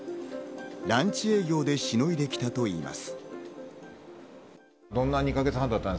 ランチ営業でしのいできたといいます。